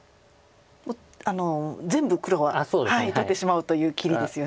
全部黒が取ってしまおうという切りですよね。